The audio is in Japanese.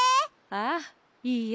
ああいいよ。